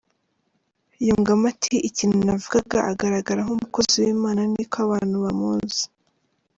Yungamo ati “Ikintu navuga agaragara nk’umukozi w’Imana niko abantu bamuzi.